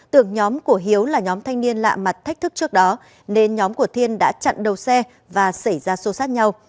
tưởng nhóm của hiếu là nhóm thanh niên lạ mặt thách thức trước đó nên nhóm của thiên đã chặn đầu xe và xảy ra xô sát nhau